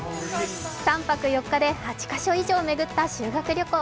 ３泊４日で８か所以上巡った修学旅行。